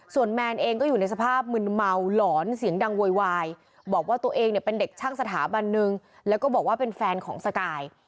ส่วนแมนเองก็อยู่ในสภาพมึนเมาหลอนเสียงดังโวยวายบอกว่าตัวเองเนี่ยเป็นเด็กช่างสถาบันนึงแล้วก็บอกว่าเป็นแฟนของสกาย